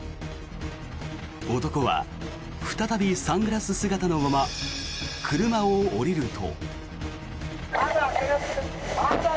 男は再びサングラス姿のまま車を降りると。